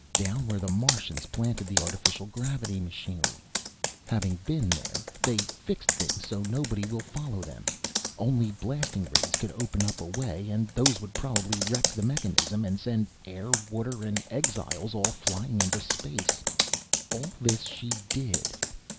"Down where the Martians planted the artificial gravity machinery. Having been there, they fixed things so nobody will follow them. Only blasting rays could open up a way, and those would probably wreck the mechanism and send air, water and exiles all flying into space. All this she did.